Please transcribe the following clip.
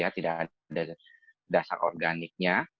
tidak ada dasar organiknya